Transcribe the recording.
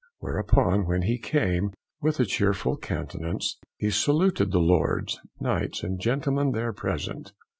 Whereupon, when he came, with a chearful countenance, he saluted the Lords, Knights, and gentlemen there present.